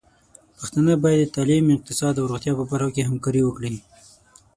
پښتانه بايد د تعليم، اقتصاد او روغتيا په برخو کې همکاري وکړي.